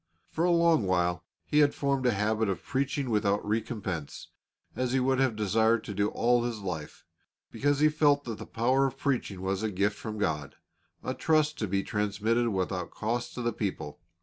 For a long while he had formed a habit of preaching without recompense, as he would have desired to do all his life, because he felt that the power of preaching was a gift from God, a trust to be transmitted without cost to the people.